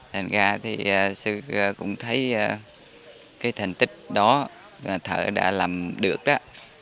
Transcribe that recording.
thành ra thì cũng thấy cái thành tích đó thợ đã làm được đó